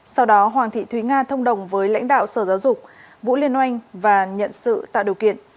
sau đó hoàng thị thúy nga thông đồng với lãnh đạo sở giáo dục vũ liên oanh và nhận sự tạo điều kiện